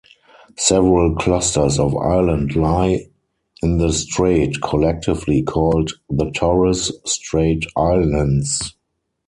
Several clusters of islands lie in the Strait, collectively called the Torres Strait Islands.